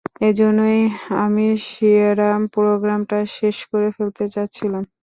এজন্যই আমি সিয়েরা প্রোগ্রামটা শেষ করে ফেলতে চাচ্ছিলাম।